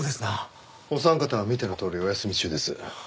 お三方は見てのとおりお休み中です。